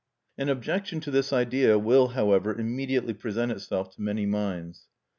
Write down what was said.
An objection to this idea will, however, immediately present itself to many minds.